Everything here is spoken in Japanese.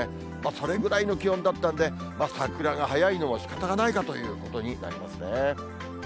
それぐらいの気温だったんで、桜が早いのもしかたがないかということになりますね。